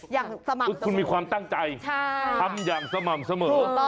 อย่างสม่ำเสมอเลยใช่ถูกต้องคุณมีความตั้งใจทำอย่างสม่ำเสมอ